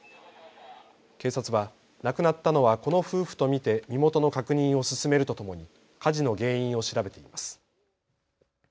警察は、亡くなったのはこの夫婦と見て身元の確認を進めるとともに火事の原因を調べています。